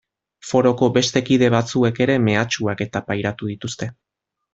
Foroko beste kide batzuek ere mehatxuak-eta pairatu dituzte.